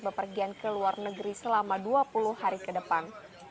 bepergian ke luar negeri selama dua puluh hari ke depan